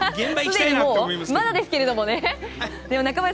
まだですけどね。